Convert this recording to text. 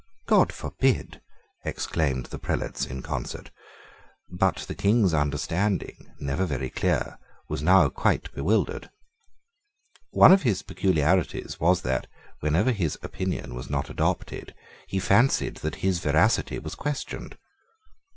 "God forbid," exclaimed the prelates in concert. But the King's understanding, never very clear, was now quite bewildered. One of his peculiarities was that, whenever his opinion was not adopted, he fancied that his veracity was questioned.